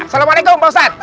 assalamualaikum pak ustadz